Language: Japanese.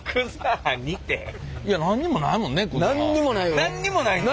何にもないよ。